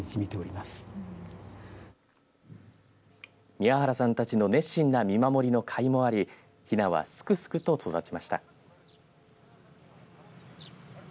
宮原さんたちの熱心な見守りの甲斐もありひなは、すくすくと育ちました。